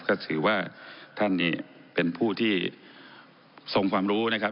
ก็ถือว่าท่านนี่เป็นผู้ที่ทรงความรู้นะครับ